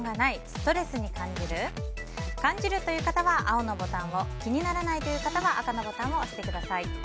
ストレスに感じる？感じるという方は青のボタンを気にならないという方は赤のボタンを押してください。